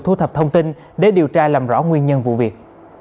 thu thập thông tin để điều tra làm rõ nguyên nhân vụ việc